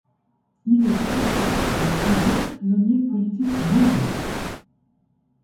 Il est à l'époque le plus jeune prisonnier politique au monde.